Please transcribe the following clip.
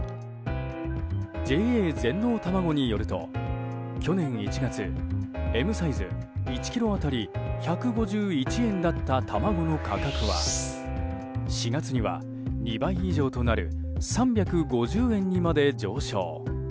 ＪＡ全農たまごによると去年１月Ｍサイズ１ｋｇ当たり１５１円だった卵の価格は４月には２倍以上となる３５０円にまで上昇。